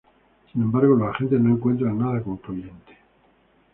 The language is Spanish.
Sin embargo, los agentes no encuentran nada concluyente.